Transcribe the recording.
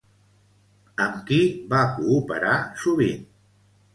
Amb qui va cooperar sovint?